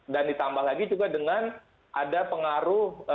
dan ditambah lagi juga dengan ada pengaruh